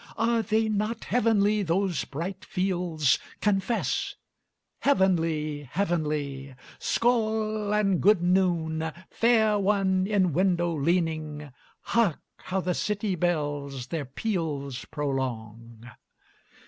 Are they not heavenly those bright fields? Confess!" Heavenly! Heavenly! Skål and good noon, fair one in window leaning, Hark how the city bells their peals prolong!